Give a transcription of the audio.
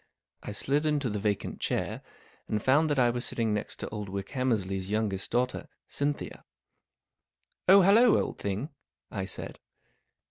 I slid into the vacant chair, and found that I was sitting next to old Wickhammersley's youngest daughter, Cynthia. " Oh, hallo, old thing," I said.